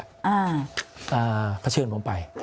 เขาเชิญผมไป